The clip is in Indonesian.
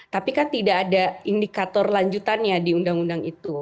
tapi kan tidak ada indikator lanjutannya di undang undang itu